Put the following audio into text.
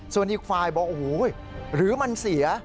ส่วนอีกฝ่ายบอกโอ้โหหรือมันเสีย